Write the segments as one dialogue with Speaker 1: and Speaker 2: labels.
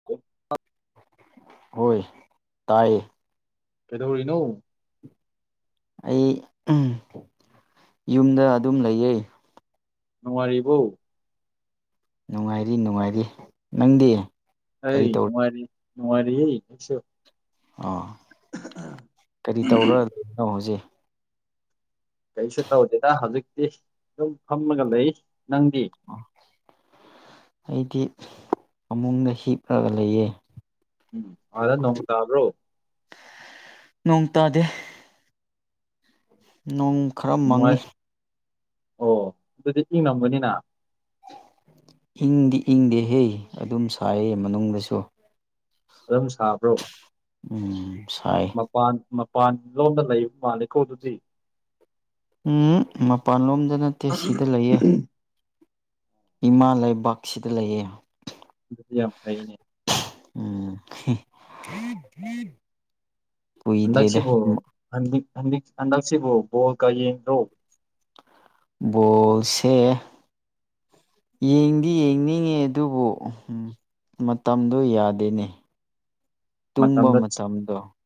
Speaker 1: [unintelligible]
Speaker 2: ꯍꯣꯏ ꯇꯥꯏꯌꯦ
Speaker 1: ꯀꯩꯗꯧꯔꯤꯅꯣ
Speaker 2: ꯑꯩ ꯌꯨꯝꯗ ꯑꯗꯨꯝ ꯂꯩꯌꯦ
Speaker 1: ꯅꯨꯡꯉꯥꯏꯔꯤꯕꫭ
Speaker 2: ꯅꯨꯡꯉꯥꯏꯔꯤ ꯅꯨꯡꯉꯥꯏꯔꯤ ꯅꯪꯗꯤ ꯀꯔꯤ
Speaker 1: ꯑꯩ
Speaker 2: ꯇꯧꯔꯤ
Speaker 1: ꯅꯨꯉꯥꯏꯔꯤ ꯅꯨꯉꯥꯏꯔꯤꯌꯦ ꯑꯩꯁꯨ
Speaker 2: ꯑꯥ ꯀꯔꯤ ꯇꯧꯔ ꯂꯩꯕꯅꯣ ꯍꯧꯖꯤꯛ
Speaker 1: ꯀꯩꯁꯨ ꯇꯧꯗꯦꯗ ꯍꯧꯖꯤꯛꯇꯤ ꯑꯗꯨꯝ ꯐꯝꯃꯒ ꯂꯩ ꯅꯪꯗꯤ
Speaker 2: ꯑꯩꯗꯤ ꯐꯃꯨꯡꯗ ꯍꯤꯞꯂꯒ ꯂꯩꯌꯦ
Speaker 1: ꯎꯝ ꯑꯗ ꯅꫭꯡ ꯇꯥꯕ꯭ꯔꯣ
Speaker 2: ꯅꯣꯡ ꯇꯥꯗꯦ ꯅꯣꯡ ꯈꯔ
Speaker 1: ꯅꯨꯡꯉꯥꯏ
Speaker 2: ꯃꯪꯉꯤ
Speaker 1: ꯑꯣ ꯑꯗꯨꯗꯤ ꯏꯪ ꯉꯝꯒꯅꯤꯅ
Speaker 2: ꯏꯪꯗꯤ ꯏꯪꯗꯦ ꯍꯦ ꯑꯗꯨꯝ ꯁꯥꯏ ꯃꯅꯨꯡꯗꯁꯨ
Speaker 1: ꯑꯗꯨꯝ ꯁꯥꯕ꯭ꯔꯣ
Speaker 2: ꯎꯝ ꯁꯥꯏ
Speaker 1: ꯃꯄꯥꯟ ꯃꯄꯥꯟ ꯂꯣꯝꯗ ꯂꯩꯕ ꯃꯥꯜꯂꯦ ꯀꯣ ꯗꯨꯗꯤ
Speaker 2: ꯎꯝ ꯃꯄꯥꯟ ꯂꯣꯝꯗ ꯅꯠꯇꯦ ꯁꯤꯗ ꯂꯩꯌꯦ ꯏꯃꯥ ꯂꯩꯕꯥꯛꯁꯤꯗ ꯂꯩꯌꯦ
Speaker 1: ꯑꯗꯨꯗꯤ ꯌꯥꯝ ꯐꯩꯅꯦ
Speaker 2: [unintelligible] ꯀꯨꯏꯗ꯭ꯔꯤꯗ
Speaker 1: ꯍꯟꯗꯛꯁꯤꯕꯣ ꯍꯟꯗꯛ ꯍꯟꯗꯛꯁꯤꯕꯣ ꯕꯣꯜ ꯀ ꯌꯦꯡꯗ꯭ꯔꫭ
Speaker 2: ꯕꯣꯜꯁꯦ ꯌꯦꯡꯗꯤ ꯌꯦꯡꯅꯤꯡꯉꯦ ꯑꯗꯨꯕꯨ ꯎꯝ ꯃꯇꯝꯗꯨ ꯌꯥꯗꯦꯅꯦ ꯇꯨꯝꯕ
Speaker 1: ꯃꯇꯝꯗꯨ
Speaker 2: ꯃꯇꯝꯗꯣ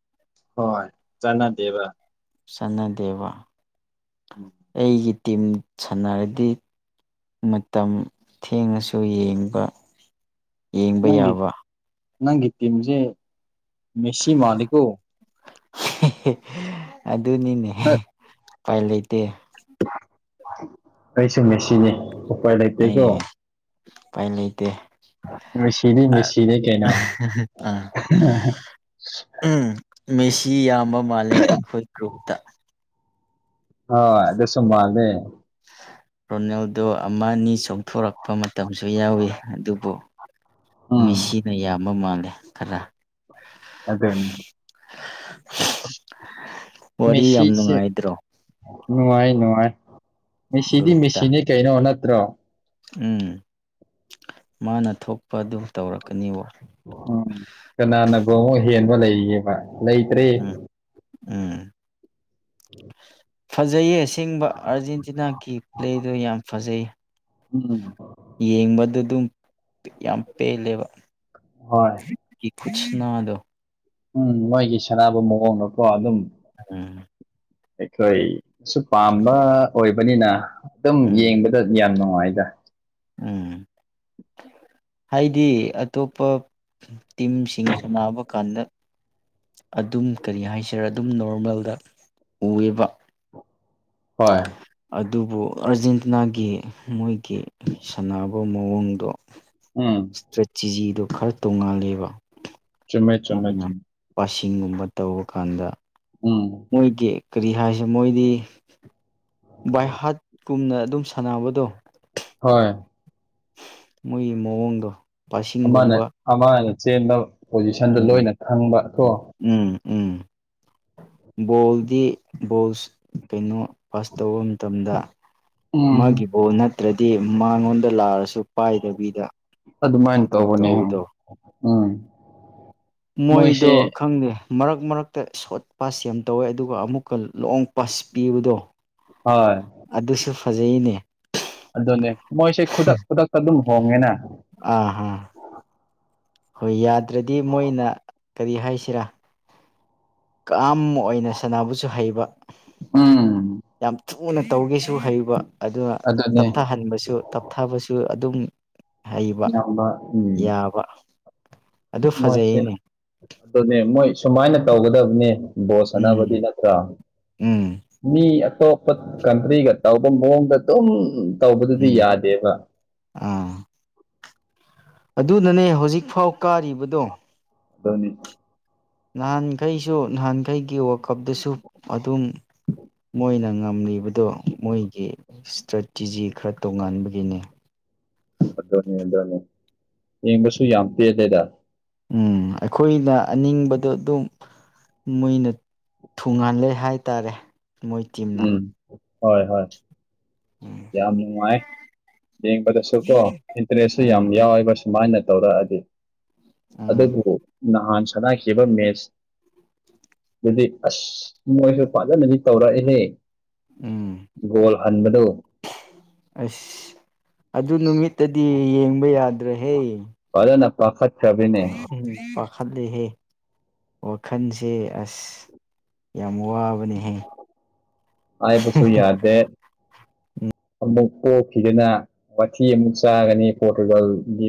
Speaker 1: ꯍꯣꯏ ꯆꯥꯟꯅꯗꯦꯕ
Speaker 2: ꯁꯅꯥꯗꯦꯕ
Speaker 1: ꯎꯝ
Speaker 2: ꯑꯩꯒꯤ ꯇꯤꯝ ꯁꯥꯟꯅꯔꯗꯤ ꯃꯇꯝ ꯊꯦꯡꯉꯁꯨ ꯌꯦꯡꯕ ꯌꯦꯡꯕ
Speaker 1: ꯅꯪꯒꯤ
Speaker 2: ꯌꯥꯕ
Speaker 1: ꯅꯪꯒꯤ ꯇꯤꯝꯁꯦ ꯃꯦꯁꯤ ꯃꯥꯜꯂꯤꯀꯣ
Speaker 2: ꯑꯗꯨꯅꯤꯅꯦ
Speaker 1: ꯍ
Speaker 2: ꯎꯄꯥꯏ ꯂꯩꯇꯦ
Speaker 1: ꯑꯩꯁꯨ ꯃꯦꯁꯤꯅꯤ ꯎꯄꯥꯏ
Speaker 2: ꯑꯦ
Speaker 1: ꯂꯩꯇꯦꯀꯣ
Speaker 2: ꯎꯄꯥꯏ ꯂꯩꯇꯦ
Speaker 1: ꯃꯦꯁꯤꯗꯤ
Speaker 2: ꯑ
Speaker 1: ꯃꯦꯁꯤꯅꯤ ꯀꯩꯅꯣ
Speaker 2: ꯑ ꯎꯝ ꯃꯦꯁꯤ ꯌꯥꯝꯕ ꯃꯥꯜꯂꯦ ꯑꯈꯣꯏ ꯒ꯭ꯔꯨꯞꯇ
Speaker 1: ꯍꯣꯏ ꯑꯗꯨꯁꯨ ꯃꯥꯟꯂꯦ
Speaker 2: ꯔꯣꯅꯦꯜꯗꯣ ꯑꯃ ꯑꯅꯤ ꯆꯣꯡꯊꯣꯔꯛꯄ ꯃꯇꯝꯁꯨ ꯌꯥꯎꯌꯤ ꯑꯗꯨꯕꯨ
Speaker 1: ꯎꯝ
Speaker 2: ꯃꯤꯁꯤꯅ ꯌꯥꯝꯕ ꯃꯥꯜꯂꯦ ꯈꯔ
Speaker 1: ꯑꯗꯦꯟ
Speaker 2: ꯋꯥꯔꯤ ꯌꯥꯝ ꯅꯨꯡꯉꯥꯏꯗ꯭ꯔꯣ
Speaker 1: ꯅꯨꯡꯉꯥꯏ ꯅꯨꯡꯉꯥꯏ ꯃꯦꯁꯤꯗꯤ
Speaker 2: ꯒ꯭ꯔꯨꯞꯇ
Speaker 1: ꯃꯦꯁꯤꯅꯤ ꯀꯩꯅꯣ ꯅꯠꯇ꯭ꯔꯣ
Speaker 2: ꯎꯝ ꯃꯥꯅ ꯊꯣꯛꯄ ꯑꯗꯨꯝ ꯇꯧꯔꯛꯀꯅꯤꯋꯣ
Speaker 1: ꯎꯝ ꯀꯅꯥꯅꯕꯨ ꯑꯃꯨꯛ ꯍꯦꯟꯕ ꯂꯩꯒꯦꯕ ꯂꯩꯇ꯭ꯔꯦ
Speaker 2: ꯎꯝ ꯎꯝ ꯐꯖꯩꯌꯦ ꯑꯁꯤꯡꯕ ꯑꯥꯔꯖꯦꯟꯇꯤꯅꯥꯒꯤ ꯄ꯭ꯂꯦꯗꯨ ꯌꯥꯝ ꯐꯖꯩ
Speaker 1: ꯎꯝ
Speaker 2: ꯌꯦꯡꯕꯗ ꯑꯗꯨꯝ ꯌꯥꯝ ꯄꯦꯜꯂꯦꯕ
Speaker 1: ꯍꯣꯏ
Speaker 2: ꯀꯆ ꯈꯨꯠꯁꯅꯗꯣ
Speaker 1: ꯎꯝ ꯃꯣꯏꯒꯤ ꯁꯥꯟꯅꯕ ꯃꯑꯣꯡꯗꯣꯀꯣ ꯑꯗꯨꯝ
Speaker 2: ꯎꯝ
Speaker 1: ꯑꯩꯈꯣꯏ ꯁꯨ ꯄꯥꯝꯕ ꯑꯣꯏꯕꯅꯤꯅ ꯑꯗꯨꯝ
Speaker 2: ꯎꯝ
Speaker 1: ꯌꯦꯡꯕ ꯆꯠ ꯌꯥꯝ ꯅꯨꯉꯥꯏꯗ
Speaker 2: ꯎꯝ ꯍꯥꯏꯗꯤ ꯑꯇꯣꯞꯄ ꯇꯤꯝꯁꯤꯡ ꯁꯅꯥꯕ ꯀꯥꯟꯗ ꯑꯗꯨꯝ ꯀꯔꯤ ꯍꯥꯏꯁꯤꯔ ꯑꯗꯨꯝ ꯅꯣꯔꯃꯦꯜꯗ ꯎꯌꯦꯕ
Speaker 1: ꯍꯣꯏ
Speaker 2: ꯑꯗꯨꯕꯨ ꯑꯥꯔꯖꯦꯟꯇꯤꯅꯥꯒꯤ ꯃꯣꯏꯒꯤ ꯁꯥꯟꯅꯕ ꯃꯑꯣꯡꯗꯣ [inaudible]
Speaker 1: ꯎꯝ
Speaker 2: ꯏꯁꯇ꯭ꯔꯦꯇꯤꯖꯤꯗꯣ ꯈꯔ ꯇꯣꯡꯉꯥꯜꯂꯦꯕ
Speaker 1: ꯆꯨꯝꯃꯦ ꯆꯨꯝꯃꯦ
Speaker 2: ꯃꯣꯏꯅ
Speaker 1: ꯆꯨꯝꯃꯦ
Speaker 2: ꯄꯥꯁꯤꯡꯒꯨꯝꯕ ꯇꯧꯕ ꯀꯥꯟꯗ
Speaker 1: ꯎꯝ
Speaker 2: ꯃꯣꯏꯒꯤ ꯀꯔꯤ ꯍꯥꯏꯁꯤ ꯃꯣꯏꯗꯤ ꯕꯥꯏ ꯍꯠ ꯀꯨꯝꯅ ꯑꯗꯨꯝ ꯁꯥꯟꯅꯕꯗꯣ
Speaker 1: ꯍꯣꯏ
Speaker 2: ꯃꯣꯏꯒꯤ ꯃꯑꯣꯡꯗꯣ
Speaker 1: ꯑꯃꯅ
Speaker 2: ꯄꯥꯁꯤꯡꯒꯨꯝꯕ
Speaker 1: ꯑꯃꯅ ꯆꯦꯟꯕ ꯄꯣꯖꯤꯁꯟꯗ
Speaker 2: ꯎꯝ
Speaker 1: ꯂꯣꯏꯅ ꯈꯪꯕ ꯀꯥꯣ
Speaker 2: ꯎꯝ ꯎꯝ ꯎꯝ ꯕꯣꯜꯗꯤ ꯕꯣꯜ ꯀꯩꯅꯣ ꯐꯥꯁ ꯇꯧꯕ ꯃꯇꯝꯗ ꯃꯥꯒꯤ
Speaker 1: ꯎꯝ
Speaker 2: ꯕꯪꯟ ꯝꯔꯨꯅꯠꯇ꯭ꯔꯗꯤ ꯃꯥꯉꯣꯟꯗ ꯂꯥꯛꯑꯔꯁꯨ ꯄꯥꯏꯗꯕꯤꯗ
Speaker 1: ꯑꯗꯨꯃꯥꯏꯅ
Speaker 2: ꯑꯗꯨꯝ
Speaker 1: ꯇꯧꯕꯅꯦ
Speaker 2: ꯇꯧꯕꯗꯣ
Speaker 1: ꯎꯝ
Speaker 2: ꯃꯣꯏꯗꯣ
Speaker 1: ꯃꯣꯏꯁꯦ
Speaker 2: ꯈꯪꯗꯦ ꯃꯔꯛ ꯃꯔꯛꯇ ꯁꯣꯠ ꯄꯁꯦꯟ ꯇꯧꯌꯦ ꯑꯗꯨꯒ ꯑꯃꯨꯛꯀ ꯂꯣꯡ ꯄꯁ ꯄꯤꯕꯗꯣ
Speaker 1: ꯍꯣꯏ
Speaker 2: ꯑꯗꯨꯁꯨ ꯐꯖꯩꯅꯦ
Speaker 1: ꯑꯗꯨꯅꯦ ꯃꯣꯏꯁꯦ ꯈꯨꯗꯛ ꯈꯨꯗꯛꯇ ꯑꯗꯨꯝ ꯍꯣꯡꯉꯦꯅꯦ
Speaker 2: ꯑꯥꯍꯥ ꯍꯣꯏ ꯌꯥꯗ꯭ꯔꯗꯤ ꯃꯣꯏꯅ ꯀꯔꯤ ꯍꯥꯏꯁꯤꯔꯥ ꯀꯥꯝ ꯑꯣꯏꯅ ꯁꯅꯥꯕꯨꯁꯨ ꯍꯩꯕ
Speaker 1: ꯎꯝ
Speaker 2: ꯌꯥꯝ ꯊꯨꯅ ꯇꯧꯒꯦꯁꯨ ꯍꯩꯕ ꯑꯗꯨꯅ
Speaker 1: ꯑꯗꯨꯅꯦ
Speaker 2: ꯇꯞꯊꯥꯍꯟꯕꯁꯨ ꯇꯞꯊꯥꯕꯁꯨ ꯑꯗꯨꯝ ꯍꯩꯕ
Speaker 1: ꯏꯌꯥꯝꯕ ꯎꯝ
Speaker 2: ꯌꯥꯕ ꯑꯗꯨ
Speaker 1: ꯃꯣꯏꯁꯦ
Speaker 2: ꯐꯖꯩꯌꯦꯅꯦ
Speaker 1: ꯑꯗꯨꯅꯦ ꯃꯣꯏ ꯁꯨꯃꯥꯏꯅꯥ ꯇꯧꯒꯥꯗꯕꯅꯦ ꯕꯣꯁ ꯁꯥꯅꯕꯗꯤ
Speaker 2: ꯎꯝ
Speaker 1: ꯅꯠꯇ꯭ꯔꯥ
Speaker 2: ꯎꯝ
Speaker 1: ꯃꯤ ꯑꯇꯣꯞꯄ ꯀꯟꯇ꯭ꯔꯤꯒ ꯇꯧꯕ ꯃꯑꯣꯡꯗ ꯑꯗꯨꯝ ꯇꯧꯕꯗꯨꯗꯤ
Speaker 2: ꯎꯝ
Speaker 1: ꯌꯥꯗꯦꯕ
Speaker 2: ꯑꯥ ꯑꯗꯨꯅꯅꯦ ꯍꯧꯖꯤꯛꯐꯥꯎ ꯀꯥꯔꯤꯕꯥꯗꯣ
Speaker 1: [unintelligible]
Speaker 2: ꯅꯍꯥꯟꯈꯩꯁꯨ ꯅꯍꯥꯟꯈꯩꯒꯤ ꯋꯥꯀꯞꯇꯁꯨ ꯑꯗꯨꯝ ꯃꯣꯏꯅ ꯉꯝꯂꯤꯕꯗꯣ ꯃꯣꯏꯒꯤ ꯏꯁꯇ꯭ꯔꯦꯇꯤꯖꯤ ꯈꯔ ꯇꯣꯉꯥꯟꯕꯒꯤꯅꯤ
Speaker 1: ꯑꯗꯨꯅꯦ ꯑꯗꯨꯅꯦ ꯌꯦꯡꯕꯁꯨ ꯌꯥꯝ [unintelligible]
Speaker 2: ꯎꯝ ꯑꯩꯈꯣꯏꯅ ꯑꯅꯤꯡꯕꯗꯣ ꯑꯗꯨꯝ ꯃꯣꯏꯅ ꯊꯨꯡꯍꯜꯂꯦ ꯍꯥꯏꯇꯥꯔꯦ ꯃꯣꯏ ꯇꯤꯝꯅ
Speaker 1: ꯎꯝ ꯍꯣꯏ ꯍꯣꯏ ꯌꯥꯝ ꯅꯨꯡꯉꯥꯏ ꯌꯦꯡꯕꯗꯁꯨ ꯀꯣ ꯏꯟꯇꯔꯦꯁꯁꯨ ꯌꯥꯝ
Speaker 2: ꯎꯝ
Speaker 1: ꯌꯥꯎꯋꯦꯕꯤ ꯁꯨꯃꯥꯏꯅ ꯇꯧꯔꯛꯑꯗꯤ [unintelligible]
Speaker 2: ꯎꯝ
Speaker 1: ꯅꯍꯥꯟꯁꯨ [unintelligible] [inaudible] ꯃꯣꯏꯗꯤ ꯑꯁ ꯃꯣꯏꯁꯨ ꯄꯥꯖꯅꯗꯤ ꯇꯧꯔꯛꯑꯦ [inaudible] ꯒꯣꯜ ꯍꯟꯕꯗꯨ
Speaker 2: ꯑꯩꯁ ꯑꯗꯨ ꯅꯨꯃꯤꯠꯇꯗꯤ ꯌꯦꯡꯕ ꯌꯥꯗ꯭ꯔꯦꯍꯦ
Speaker 1: ꯐꯖꯅ ꯄꯥꯈꯠ ꯈ꯭ꯔꯕꯅꯤꯅꯦ
Speaker 2: ꯎꯝ ꯄꯥꯈꯠ ꯂꯦꯍꯦ ꯋꯥꯈꯟꯁꯦ ꯑꯁ ꯌꯥꯝ ꯋꯥꯕꯅꯦ
Speaker 1: ꯍꯥꯏꯕꯁꯨ ꯌꯥꯗꯦ ꯑꯃꯨꯛ ꯄꯣꯛꯈꯤꯗꯅ ꯋꯥꯊꯤ ꯑꯃꯨꯛ ꯆꯥꯒꯅꯤ ꯄꯣꯔꯇꯨꯒꯜꯒꯤ